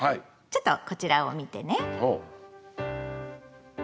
ちょっとこちらを見てね。